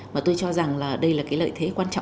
mà tôi cho rằng là đây là cái lợi thế của bản thân